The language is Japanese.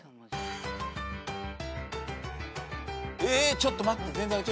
えちょっと待って。